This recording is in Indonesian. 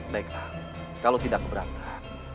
baiklah kalau tidak keberatan